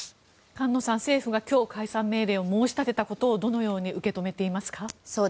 菅野さん、政府が今日解散命令を申し立てたことをどのように受け止めていますか？